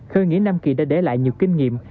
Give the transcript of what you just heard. khởi nghĩa nam kỳ đã để lại nhiều kinh nghiệm